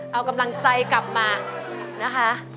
เอากำลังใจกลับมานะคะ